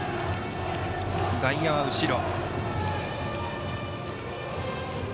外野は後ろ。